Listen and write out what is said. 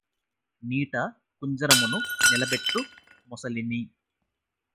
నీట కుంజరమును నిలబెట్టు మొసలిని